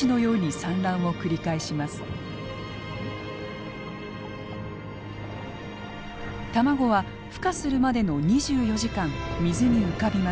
卵はふ化するまでの２４時間水に浮かびます。